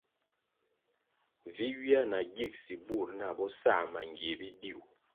Vi ywia na gigsi bur nah bo sa mangie bidiu.